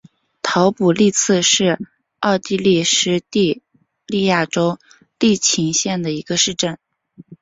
陶普利茨是奥地利施蒂利亚州利岑县的一个市镇。